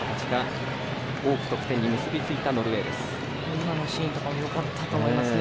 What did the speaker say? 今のシーンとかもよかったと思いますね。